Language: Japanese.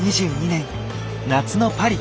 ２０２２年夏のパリ。